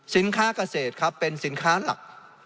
สินค้าเกษตรครับเป็นสินค้าหลัก